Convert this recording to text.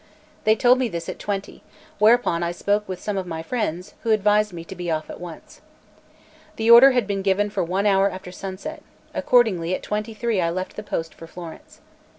They told me this at twenty; whereupon I spoke with some of my friends, who advised me to be off at once. The order had been given for one hour after sunset; accordingly at twenty three I left in the post for Florence.